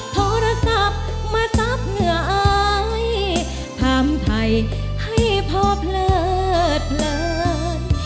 โทรศัพท์มาซับเหงื่ออายถามไทยให้พอเพลิดเพลิน